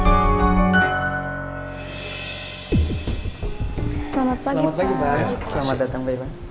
selamat pagi pak selamat datang